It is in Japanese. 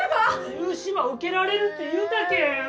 融資ば受けられるって言うたけん